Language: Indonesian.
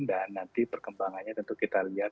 dan nanti perkembangannya tentu kita lihat